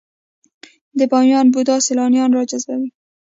د بامیان بودا سیلانیان راجذبوي؟